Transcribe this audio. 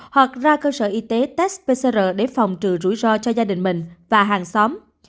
hoặc ra cơ sở y tế test pcr để phòng trừ rủi ro cho gia đình mình và hàng xóm